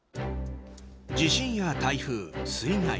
地震や台風、水害。